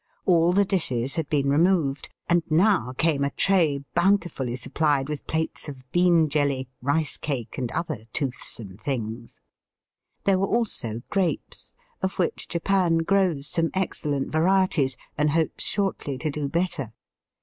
All the dishes had been removed, and now came a tray bountifully sup pHed with, plates of bean jelly, rice cake, and other toothsome things. There were also grapes, of which Japan grows some excellent varieties, and hopes shortly to do better.